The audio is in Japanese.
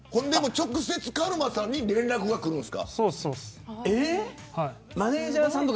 直接、カルマさんに連絡がくるんですか。